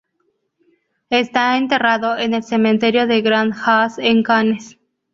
Está enterrado en el cementerio de Grand Jas en Cannes.